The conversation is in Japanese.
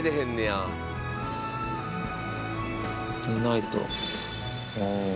寝ないと。